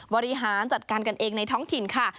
บริหารจัดการกันเองในท้องถิ่นค่ะ